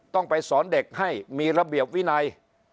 ต้องไปสอนเด็กให้มีระเบียบวินัย